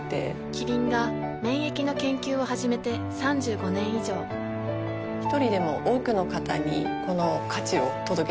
キリンが免疫の研究を始めて３５年以上一人でも多くの方にこの価値を届けていきたいと思っています。